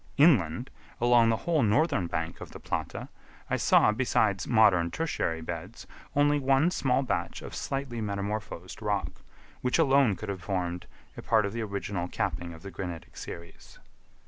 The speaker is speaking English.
Inland, along the whole northern bank of the Plata, I saw, besides modern tertiary beds, only one small patch of slightly metamorphosed rock, which alone could have formed a part of the original capping of the granitic series.